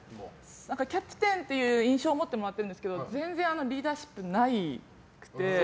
キャプテンっていう印象を持ってもらってるんですけど全然リーダーシップなくて。